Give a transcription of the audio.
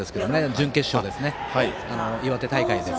準決勝ですね、岩手大会。